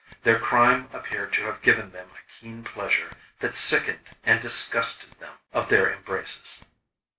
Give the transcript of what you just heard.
Their crime appeared to have given them a keen pleasure that sickened and disgusted them of their embraces.